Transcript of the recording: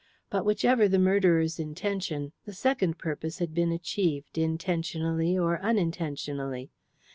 But, whichever the murderer's intention, the second purpose had been achieved, intentionally or unintentionally.